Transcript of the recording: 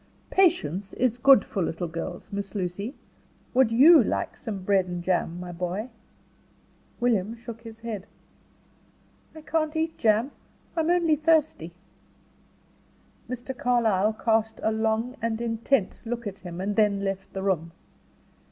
"Patience is good for little girls, Miss Lucy. Would you like some bread and jam, my boy?" William shook his head. "I can't eat jam. I am only thirsty." Mr. Carlyle cast a long and intent look at him, and then left the room.